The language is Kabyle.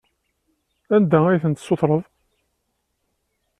Anda ay ten-tessutreḍ?